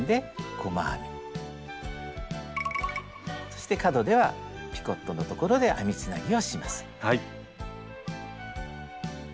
そして角ではピコットの所で編みつなぎをします。